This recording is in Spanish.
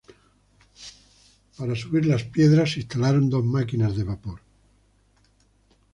Para subir las piedras, se instalaron dos máquinas de vapor.